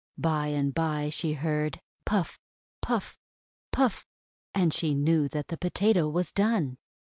By and by she heard "Puff! Puff! Puff!" and she knew that the Potato was done.